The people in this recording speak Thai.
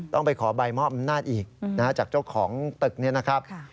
ต้องไปขอใบมอบอำนาจอีกจากเจ้าของตึกนี้นะครับ